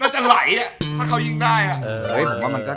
ก็จะไหลถ้าเขายิงได้